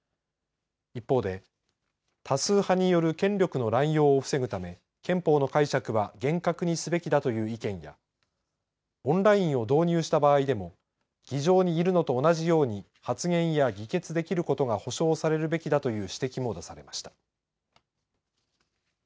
一方で、多数派による権力の乱用を防ぐため憲法の解釈は厳格にすべきだという意見やオンラインを導入した場合でも議場にいるのと同じように発言や議決できることが保障されるべきだという指摘も出されました。